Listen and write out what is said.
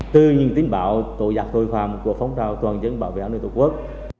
từ những tin bạo tội giặc tội khoạm của phóng trao toàn dân bảo vệ án nơi tổ quốc